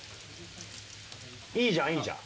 いいじゃんいいじゃん。